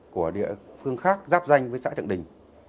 của địa phương khác giáp danh với xã thượng đình